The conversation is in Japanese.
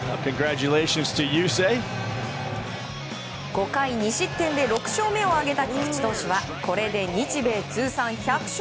５回２失点で６勝目を挙げた菊池投手はこれで日米通算１００勝。